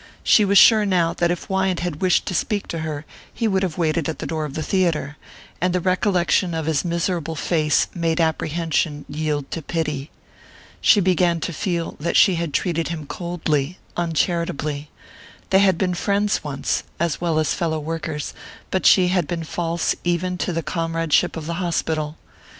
She was sure now that if Wyant had wished to speak to her he would have waited at the door of the theatre; and the recollection of his miserable face made apprehension yield to pity. She began to feel that she had treated him coldly, uncharitably. They had been friends once, as well as fellow workers; but she had been false even to the comradeship of the hospital.